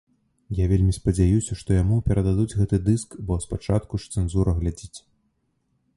Я вельмі спадзяюся, што яму перададуць гэты дыск, бо спачатку ж цэнзура глядзіць.